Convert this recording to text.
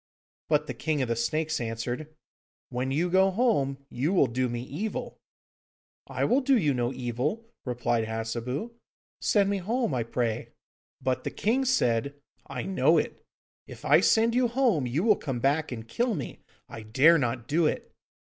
But the King of the Snakes answered, 'When you go home, you will do me evil!' 'I will do you no evil,' replied Hassebu; 'send me home, I pray.' But the king said, 'I know it. If I send you home, you will come back, and kill me. I dare not do it.